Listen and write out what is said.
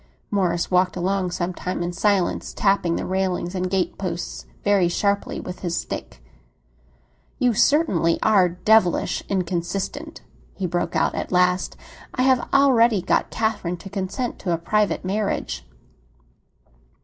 Morris walked along some time in silence, tapping the railings and gateposts very sharply with his stick. "You certainly are devilish inconsistent!" he broke out at last. "I have already got Catherine to consent to a private marriage."